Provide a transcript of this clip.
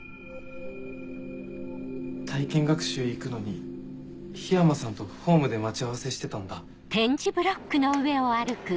体験学習行くのに緋山さんとホームで待ち合わせしてたんだ。